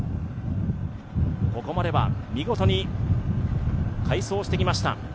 ここまでは見事に快走してきました。